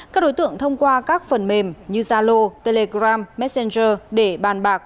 các đối tượng thông qua các phần mềm như zalo telegram messenger để bàn bạc